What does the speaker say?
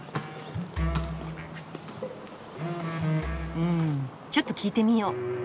うんちょっと聞いてみよう。